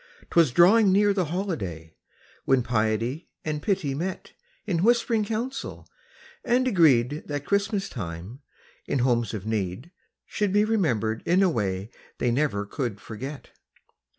'Twas drawing near the holiday, When piety and pity met In whisp'ring council, and agreed That Christmas time, in homes of need, Should be remembered in a way They never could forget.